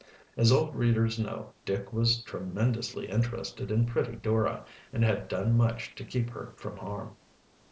As old readers know Dick was tremendously interested in pretty Dora, and had done much to keep her from harm.